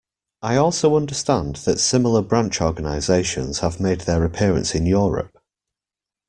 I also understand that similar branch organizations have made their appearance in Europe.